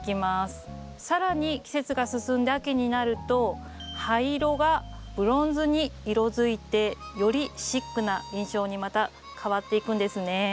更に季節が進んで秋になると葉色がブロンズに色づいてよりシックな印象にまた変わっていくんですね。